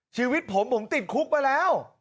ชีวิตผมผมติดคุกมาแล้ว